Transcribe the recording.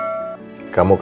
aku masih mikirin soal